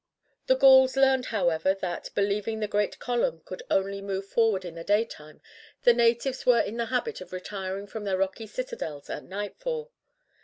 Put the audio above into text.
The Gauls learned, however, that, believing the great column could only move forward in the daytime, the natives were in the habit of retiring from their rocky citadels at nightfall.